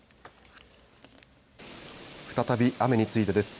再び雨についてです。